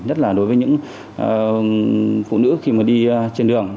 nhất là đối với những phụ nữ khi mà đi trên đường